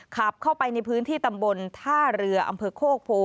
ขับเข้าไปในพื้นที่ตำบลท่าเรืออำเภอโคกโพ